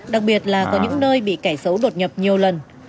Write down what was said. đặc biệt là có những nơi bị kẻ xấu đột nhập nhiều lần